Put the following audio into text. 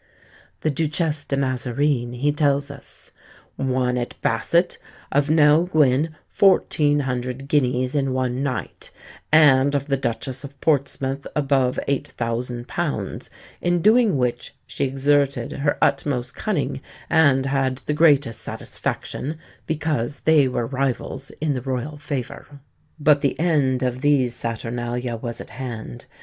The Duchesse de Mazarin, he tells us, "won at basset, of Nell Gwynne 1400 guineas in one night, and of the Duchess of Portsmouth above £8000, in doing which she exerted her utmost cunning and had the greatest satisfaction, because they were rivals in the Royal favour." But the end of these saturnalia was at hand.